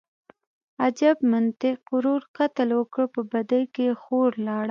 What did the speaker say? _اجب منطق، قتل ورور وکړ، په بدۍ کې يې خور لاړه.